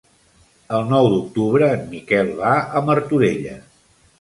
El nou d'octubre en Miquel va a Martorelles.